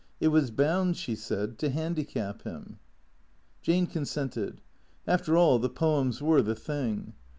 It was bound, she said, to handicap him. Jane consented. After all, the poems were the thing.